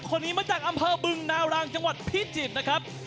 คนนี้มาจากอำเภอบึงนารางจังหวัดพิจิตรนะครับ